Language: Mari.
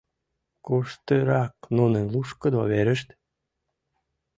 Куштырак нунын лушкыдо верышт?